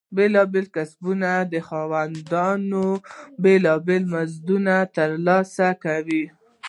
بېلابېلو کسبونو خاوندانو بېلابېل مزدونه ترلاسه کول.